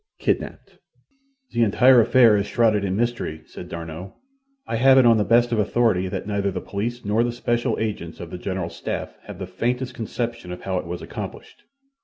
Kidnapped "The entire affair is shrouded in mystery," said D'Arnot. "I have it on the best of authority that neither the police nor the special agents of the general staff have the faintest conception of how it was accomplished.